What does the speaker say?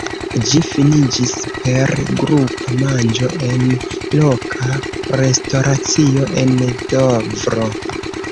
Ĝi finiĝis per grupa manĝo en loka restoracio en Dovro.